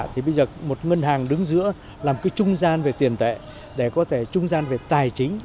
thì bây giờ một ngân hàng đứng giữa làm cái trung gian về tiền tệ để có thể trung gian về tài chính